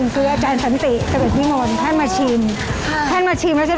คือตอนนั้นน่ะนักชิมท่านหนึ่ง